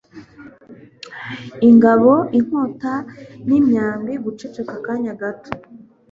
ingabo inkota n’imyambi guceceka akanya gato